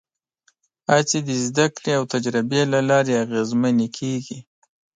هڅې د زدهکړې او تجربې له لارې اغېزمنې کېږي.